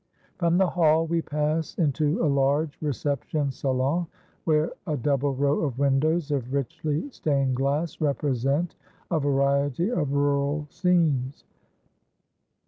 From the hall we pass into a large reception salon, where a double row of windows of richly stained glass represent a variety of rural scenes.